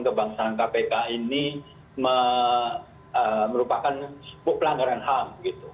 kebangsaan kpk ini merupakan sebuah pelanggaran ham